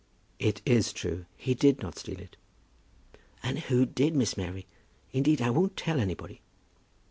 "It is true. He did not steal it." "And who did, Miss Mary? Indeed I won't tell anybody."